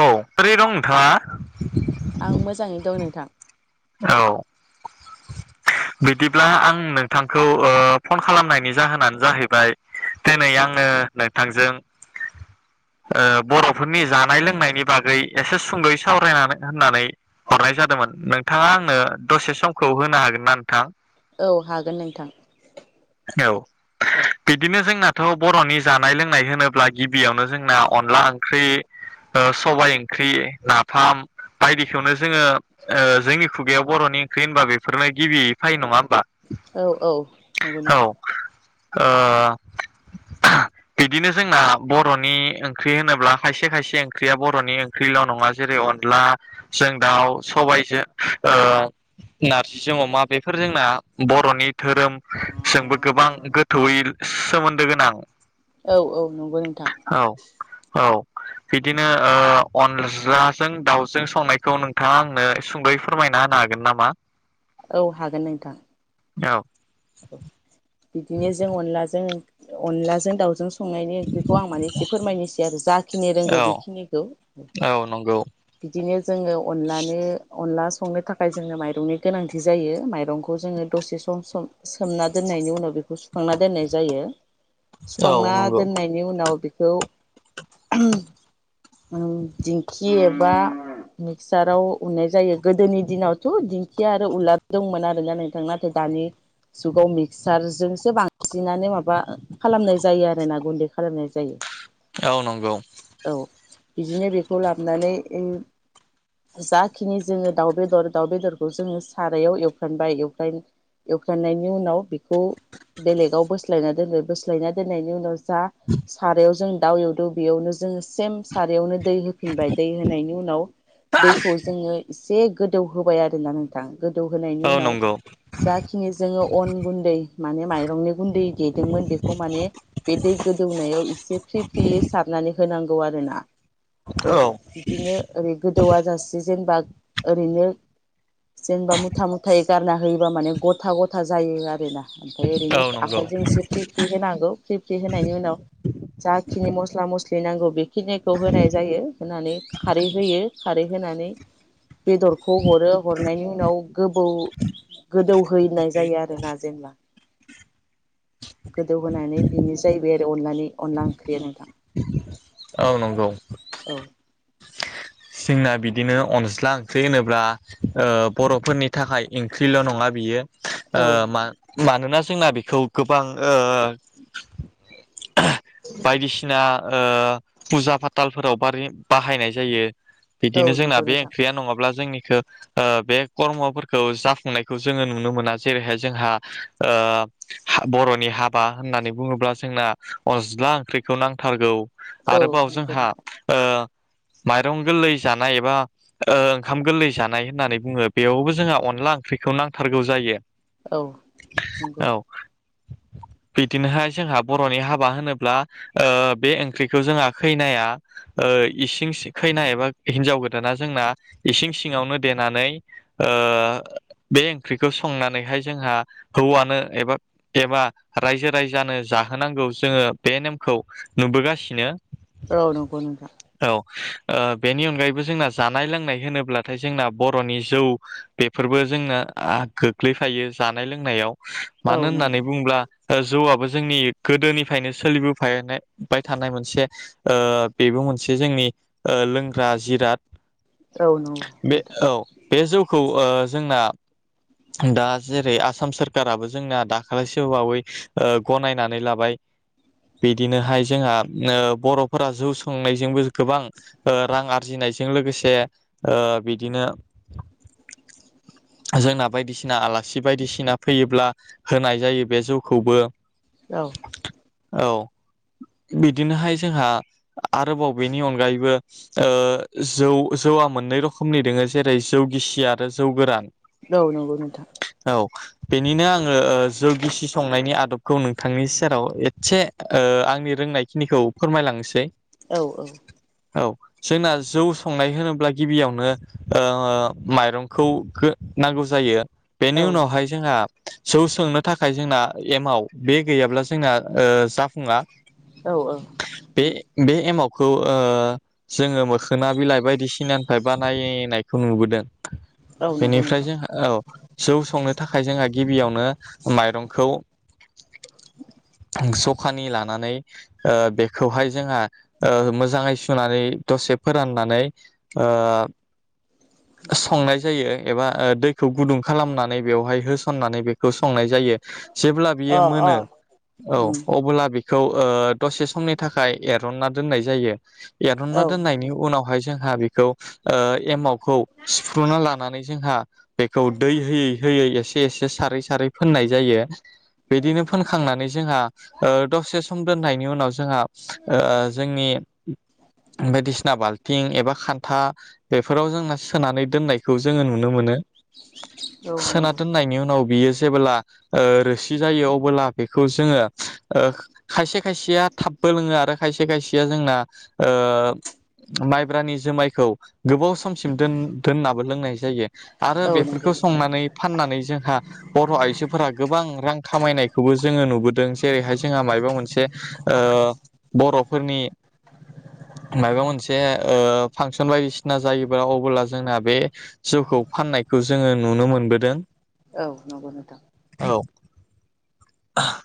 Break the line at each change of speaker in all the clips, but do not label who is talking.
औ बोरै दं नोंथाङा।
आं मोजाङै दं नोंथां।
औ। बिदिब्ला आं नोंथांखौ ओ फन खालामनायनि जाहोनानो जाहैबाय। दिनै आङो नोंथांजों। ओ बर'फोरनि जानाय लोंनायनि बागै एसे सुंद'यै सावरायनानै होननानै। हरनाय जादोंमोन नोंथाङा आंनो दसे समखौ होनो हागोन ना नोंथां।
औ हागोन नोंथां।
औ बिदिनो जोंना। थ' बर'नि जानाय लोंनाय होनोब्ला गिबियावनो जोंना अनला ओंख्रि ओ सबायाइ ओंख्रि नाफाम। बायदिखौनो जोङो ओ जोंनि खुगायाव बर'नि ओंख्रि होनबा बेफोरनो गिबियै फैयो नङा होमबा।
औ औ नंगौ
औ
नोंथां।
ओ।
[unintelligible]
बिदिनो जोंना बर'नि ओंख्रि होनोब्ला खायसे खायसे ओंख्रिया बर'नि ओंख्रिल' नङा जेरै अन ला जों दाउ सबायाइजों ओ नारजिजों अमा बेफोर जोंना बर'नि धोरोम जोंबो गोबां गोथौयै सोमोन्दो गोनां।
औ औ नंगौ नोंथां।
औ औ। बिदिनो ओ अनज्लाजों दाउजों संनायखौ नोंथाङा आंनो सुंदयै फोरमायना होनो हागोन नामा?
औ हागोन नोंथां।
औ।
[unintelligible] बिदिनो जों अनलाजों अनलाजों दाउजों स संनायनि ओंख्रिखौ आं माने एसे फोरमायनोसै आरो जाखिनि रोंगौ
औ
बेखिनिखौ।
औ नंगौ
बिदिनो जोङो अनलानो अनला संनो थाखाय जोङो माइरंनि गोनांथि जायो माइरंखौ जोङो दसे सम सम सोमना दोननायनि उनाव सुखांना दोननाय जायो।
औ
सुखांना
नंगौ
दोननायनि उनाव बेखौ [unintelligible] [unintelligible] दिंखि एबा मिक्साराव उननाय जायो गोदोनि दिनावथ' दिंखि आरो उलार दंमोन आरो ना नोंथां नाथाय दानि जुगाव मिक्सारजोंसो बांसिनानो माबा खालामनाय जायो आरो ना गुन्दै खालामनाय जायो।
औ नंगौ।
औ बिदिनो बेखौ लाबनानै उम जाखिनि जोङो दाउ बेदर दाउ बेदरखौ जोङो सारायाव एवफ्रानबाय एवफ्राइन फ्राननायनि उनाव बेखौ बेलेगाव बोस्लायना दोनो बोस्लायना दोननायनि उनाव जा सारायाव जों दाउ एवदो बेयावनो जोङो सेम सारयावनो दै हो फिनबाय दै होनायनि उनाव दैखौ जोङो एसे गोदौ होबाय आरो ना नों थां गोदौ होनायनि
औ
उनाव
नंगौ
जा खिनि जोङो अन गुन्दै माने माइरंनि गुन्दै देदोंमोन बेखौ माने बे दै गोदौनायाव एसे फ्रि फ्रियै सारनानै होनांगौ आरो ना।
औ
बिदिनो ओरै गोदौवा जासे जेनबा ओरैनो जेनबा मुथा मुथायै गारना होयोबा माने गथ ग'था ग'था जायो आरोना ओमफाय ओरैनो
नंगौ
आखाइजों एसे फ्रि फ्रि होनांगौ। फ्रि फ्रि होनायनि उनाव जाखिनि मस्ला मस्लि नांगौ बेखिनिखौ होनाय जायो होनानै खारै होयो खारै होनानै बेदरखौ हरो हरनायनि उनाव गोबौ गोदौ होयैनाय जायो आरो ना जेनबा। गोदौ होनोनानै बेनो जाहैबाय आरो अनलानि अनला ओंख्रिया नोंथां।
औ नंगौ।
औ।
जोंना बिदिनो अनज्ला ओंख्रि होनोब्ला ओ बर'फोरनि थाखाय इंख्रिल' नङा बियो
औ
ओ मा मानोना जोंना बेखौ गोबां ओ बायदिसिना ओ फुजा फाथालफोराव बारि बाहायनाय जायो।
औ
बिदिनो जोंना
नंगौ
बे
नोंथां
ओंख्रिया नङाब्ला जोंनिखो ओ बे कर्मफोरखौ जाफुंनायखौ जोङो नुनो मोना जेरैहाय जोंहा ओ हा बर'नि हाबा होननानै बुङोब्ला जोंना अज्ला ओंख्रैखौ नांथारगौ।
औ
आरोबाव
नंगौ नोंथां
ओ ओंखाम गोरलै जानाय एबा ओ ओंखाम गोरलै जानाय होननानै बुंङो बेयावबो जोंहा अनला ओंख्रिखौ नांथारगौ जायो।
औ नंगौ
औ बिदिनोहाय जोंहा बरनि हाबा होनोब्ला ओ बे ओंख्रिखौ जोंहा खैनाया ओ इसिं सि खैना एबा हिन्जाव गोदाना जोंना इसिं सिङावनो देनानै ओ बे ओंख्रिखौ संनानैहाय जोंहा हौवानो एबा एबा रायजो राजानो जाहोनांगौ जोंङो बे नेमखौ नुबोगासिनो
औ नंगौ नोंथां
औ आ बेनि अनगायैबो जोंना जानाय लोंनाय होनोब्लाथाय जोंना बर'नि जौ बेफोरबो जोंनो आ गोग्लैफायो जानाय लोंनायाव
औ
मानो
नंगौ
होननानै बुङोब्ला ओ जौआबो जोंनि गोदोनिफ्रायनो सोलिबोफायनाबाय थानाय मोनसे ओ बेबो मोनसे जोंनि ओ लोंग्रा जिराद
औ नंगौ
बे
नोंथां
औ बे जौखौ ओ जोंना दा जेरै आसाम सोरखाराबो जोंना दाखालैसो बावै ओ गनायनानै लाबाय बिदिनोहाय जोंहा ओ बर'फोरा जौ सोंनायजोंबो गोबां ओ रां आरजिनायजों लोगोसे ओ बिदिनो जोंना बायदिसिना आलासि बायदिसिना फैयोब्ला। होनाय जायो बे जौखौबो।
औ।
औ बिदिनोहाय जोंहा आरोबाव बेनि अनगायै। बो। जौ जौआ मोननै रोखोमनि दोङो जेरै जौ गिसि आरो जौ गोरान।
औ नंगौ नोंथां।
औ बेनिनो आङो जौगिसि संनायनि आदबखौ नोंथांनि सेराव एसे। आंनि रोंनायखिनिखौ फोरमायलांसै।
औ औ।
औ जोंना जौ संनाय होनोब्ला गिबियावनो माइरंखौ। नांगौ जायो
औ
बेनि उनावहाय। जोंहा जौ सोंनो थाखाय जोंना एमाव बे गैयाब्ला ओ जोंना जाफुङा।
औ
बे बे एमावखौ जोङो मोखोना बिलाइ बायदिसिना। मफ्राय बानायनायखौ नुबोदों
औ नंगौ
बेनिफ्राय
नोंथां
जों औ। जौ संनो थाखाय जोंहा गिबियावनो माइरंखौ। जखानि लानानै। बेखौहाय जोंहा ओ मोजांङै। सुनानै दसे फोराननानै संनाय जायो। एबा दैखौ गुदुं खालामनानै बेवहाय होसननानै बेखौ संनाय जायो। जायो जेब्ला
अ
बियो
अ
मोनो औ
उम
अब्ला बे। खौ दसे समनि थाखाय एरनना दोननाय जायो। एरनना
औ
दोननायनि
नंगौ
उनावहाय जोंहा बेखौ एमाव। सिफ्रुना लानानै जोंहा बेखौ दै होयै होयै एसे एसे सारै सारै। फोननाय जायो बिदिनो फोनखांनानै जोंहा। दसे सम दोननायनि उनाव जोंहा जोंनि। बायदिसिना बाल्थिं एबा खान्था। बेफोराव जोंना सोनानै दोननायखौ जोङो नुनो मोनो।
औ
सोना
नंगौ
दोननायनि उनाव बियो जेबोब्ला रोसि जायो अब्ला। बेखौ जोङो खायसे खायसेया थाबबो लोङो आरो खायसे खायसेया जोंना। ओ माइब्रानि जुमायखौ। गोबाव समसिम दोननाबो लोंनाय आरो
औ नंगौ
बेफोरखौ
नोंथां
संनानै। फाननानै जोंहा। बर' आइजोफोरा गोबां रां खामायनायखौबो जोङो नुबोदों जेरैहाय जोंहा मायबा मोनसे। ओ बर'फोरनि। माबा मोनसे ओ फांसन बायदिसिना जायोब्ला अब्ला जोंना बे। जौखौ फाननायखौ जोङो नुनो मोनबोदों।
औ नंगौ नोंथां।
औ। [unintelligible]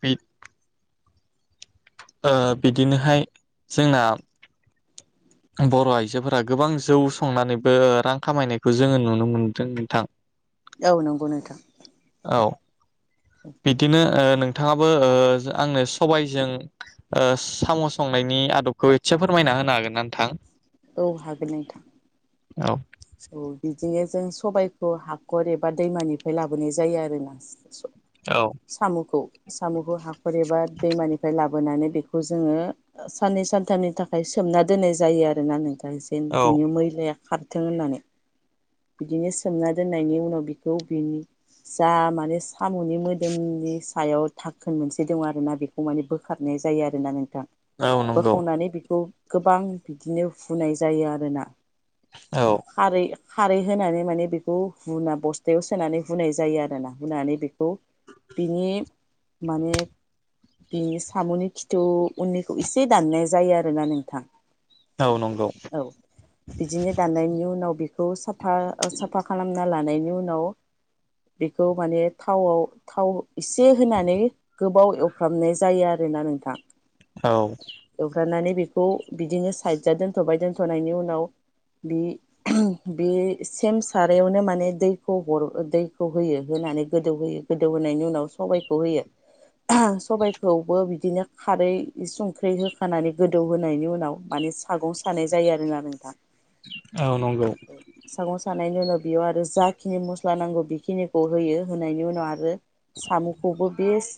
बि। ओ बिदिनोहाय जोंना। बर' आइजोफोरा गोबां जौ संनानैबो रां खामायनायखौ जोङो नुनो मोन्दों नोंथां।
औ नंगौ नोंथां।
औ। बिदिनो ओ नोंथाङाबो ओ आंनो सबायजों। ओ साम' संनायनि आदबखौ एसे फोरमायना होनो हागोन ना नोंथां।
औ हागोन नोंथां।
औ।
औव बिदिनो जों सबाइखौ हाखर एबा दैमानिफ्राय लाबोनाय जायो आरोना
औव
साम'खौ साम'खौ हाखर एबा दैमानिफ्राय लाबोनानै बेखौ जोङो साननै सानथामनि थाखाय सोमना दोननाय जायो आरोना नोंथां। बिन
औ
बिनि मैलाया खारथों होननानै। बिदिनो सोमना दोननायनि उनाव बिखौ बिनि जा माने साम'नि मोदोमनि सायाव थाखोन मोनसे दं आरोना बेखौ माने बोखारनाय जायो आरोना नोंथां।
औ नंगौ
बोखावनानै बेखौ गोबां बिदिनो हुनाय जायो आरोना।
औव
खारै खारै होनानै माने बेखौ हुना बस्थायाव सोनानै हुनाय जायो आरोना हुनानै बेखौ बिनि माने बिनि साम'नि खिथु उननिखौ एसे दाननाय जायो आरोना नोंथां।
औ नंगौ
औव बिदिनो दानायनि उनाव बेखौ साफा ओ साफा खालामना लानायनि उनाव बेखौ माने थावआव थाव एसे होनानै गोबाव एवफ्रामनाय जायो आरोना नोंथां।
औव
एवग्रनानै बेखौ बिदिनो साइदजआ दोन्थ'बाय दोन्थ'नायनि उनाव बि बे सेम सारायावनो माने दैखौ हर दैखौ होयो होनानै गोदौहोयो। गोदौहोनायनि उनाव सबबायखौ होयो। सबायखौबो बिदिनो खारै संख्र्रि होखानानै गोदौहोनायनि उनाव माने सागं सानाय जायो आरो ना नोंथां।
औव नंगौ
सागं सानायनायनि उनाव बेयाव आरो जाखिनि मस्ला नांगौ बेखिनिखौ होयो होनायनि उनाव आरो सामुखौबो बिस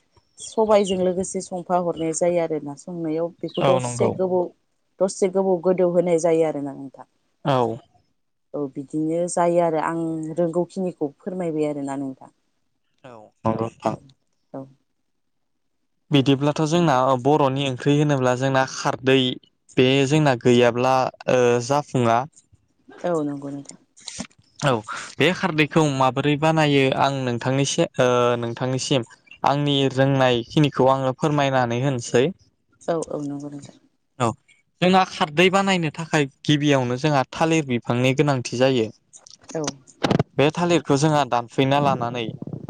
सबायजों लोगोसे संफाहरनाय जायो आरोना संनायाव बेखौ
औ नंगौ
दसे गोबौ दसे गोबौ गोदौ होनाय जायो आरोना नोंथां।
औव
औव बिदिनो जायो आरो आं रोंगौखिनिखौ फोरमायबाय आरोना नोंथां।
औव नंगौ नोंथां
औ
बिदिब्लाथ' जोंना बर'नि ओंख्रि होनोब्ला जोंना खारदै बे जोंना गैयाब्ला ओ जाफुङा।
औव नंगौ नोंथां।
औव बे खारदैखौ माबोरै बानायो आं नोंथांनो एसे ओ नोंथांनिसिम आंनि रोंनायखिनिखौ आंङो फोरमायनानै होनोसै।
औव औव नंगौ नोंथां।
औव जोंहा खारदै बानायनो थाखाय गिबियावनो जोंहा थालिर बिफांनि गोनांथि जायो।
औ
बे थालिरखौ जोंहा दानफैना लानानै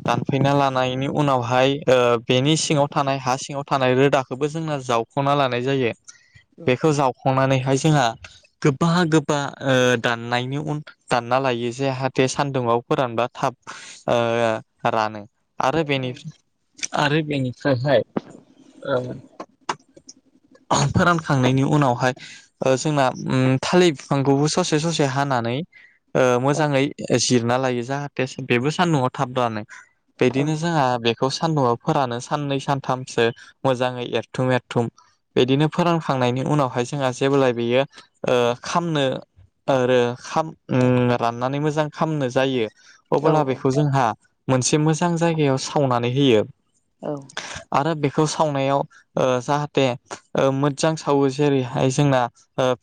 दानफैना लानायनि उनावहाय ओ बेनि सिङाव थानाय हा सिङाव थानाय रोदाखौबो जोंना जाव खना लानाय जायो। बेखौ जावखांनानैहाय जोंहा गोबा गोबा ओ दाननायनि उन दानना लायो जेहाथे सान्दुंआव फोरानबा थाब ओ रानो। आरो
औ
बिनि आरो बेनिफ्रायहाय ओ फोरानखांनायनि उनावहाय ओ जोंना उम थालिर बिफांखौबो ससे ससे हानानै ओ मोजाङै जिरना लायो जाहाथे बेबो सान्दुंआव थाबरानो बिदिनो जोंहा बे बेखौ सानदुंआ फोरानो साननै सानथामसो मोजाङै एरथुम एरथुम। बिदिनो फोरोंखांनायनि उनावहाय जोंहा जेब्लाय बेयो ओ खामनो आरो खाम ओम राननानै मोजां खामनो जायो
औ
अब्ला बेखौ जोंहा मोनसे मोजां जायगायाव सावनानै होयो।
औ
आरो बेखौ सावनायाव ओ जाहाथे ओ मोजां सावो जेरैहाय जोंना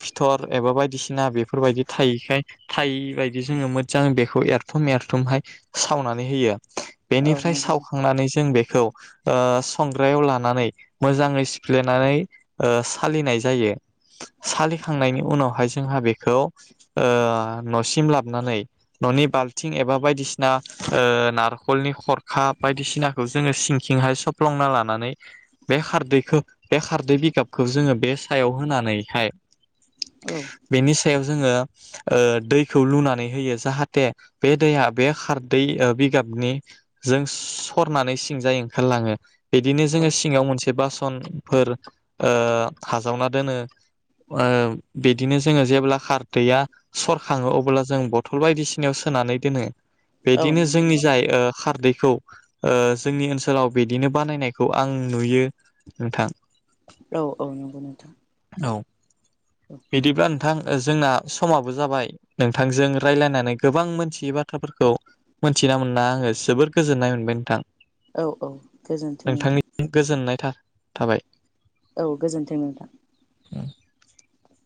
फिथर एबा बायदिसिना बेफोरबायदि थायैखाय थायै बायदि जोङो मोजां बेखौ एरथुम एरथुमहाय सावनानै होयो।
औ
बेनिफ्राय
नंगौ
सावखांनानै जों बेखौ ओ संग्रायाव लानानै मोजाङै से सालिनाय जायो सालिखांनायनि उनावहाय जोंहा बेखौ ओ न'सिम लाबोनानै लायो न'नि बाल्थिं एबा बायदिसिना ओ नारेंखलनि खरखा बायदिसिना जोङो सिंखिंहाय सफ्लंना लानानै बे खारदैखौ बे खारदै बिगाबखौ जोङो बे सायाव होनानैहाय
औ‌
बेनि सायाव जोङो दैखौ लुनानै होयो जाहाथे बे दैया बे खारदै बिगाबनि जों सरनानै सिंजायै ओंखारलाङो बिदिनो जोङो सिङाव मोनसे बासन फोर हाजावना दोनो ओ बिदिनो जोङो जेब्ला खारदैया सरखाङो अब्ला जों बथल बायदिसिनायाव सोनानै दोनो।
औ
बिदिनो
नंगौ
जोंनि
नोंथां
जाय खारदैखौ ओ जोंनि ओनसोलाव बिदिनो बानायनायखौ आं नुयो नोंथां।
औ औ नंगौ नोंथां।
औ बिदिब्ला नोंथां जोंना समाबो जाबाय नोंथांजों रायज्लायनानै गोबां मोनथियै बाथ्राफोरखौ मोनथिना मोनना आङो जोबोर गोजोननाय मोनबाय नोंथां।
औ औ गोजोन्थों नोंथां।
नोंथांनिसिम गोजोननाय था-थाबाय।
औ गोजोनथों नोंथां।
[unintelligible]